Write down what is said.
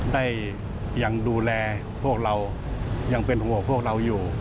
ได้ยังดูแลพวกเรายังเป็นห่วงพวกเราอยู่